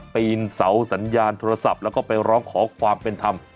ปีนเสาสัญญาณโทรศัพท์แล้วก็ไปร้องขอความเป็นธรรม